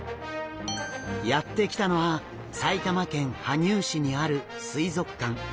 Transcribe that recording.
やって来たのは埼玉県羽生市にある水族館。